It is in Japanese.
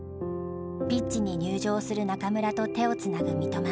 ピッチに入場する中村と手をつなぐ三笘。